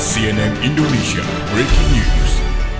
hai cnn indonesia breaking news